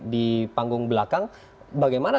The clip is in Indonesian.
di panggung belakang bagaimana